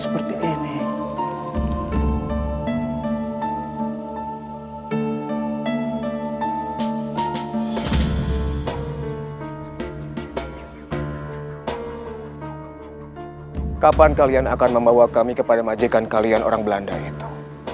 kapan kalian akan membawa kami kepada majikan kalian orang belanda itu